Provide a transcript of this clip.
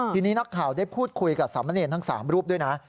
ทีนี้นักข่าวได้พูดคุยกับสามเนรทั้ง๓รูปด้วยนะ